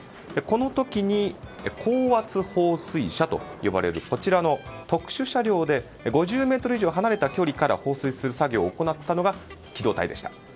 この時に、高圧放水車と呼ばれるこちらの特殊車両で５０ｍ以上離れた距離から放水する作業を行ったのが機動隊でした。